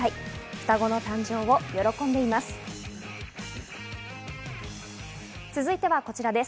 双子の誕生を喜んでいます。